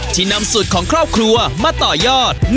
นำสูตรของครอบครัวมาต่อยอด